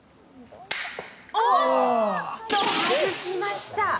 おおっと、外しました。